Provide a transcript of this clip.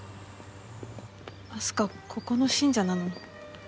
明日花ここの信者なの？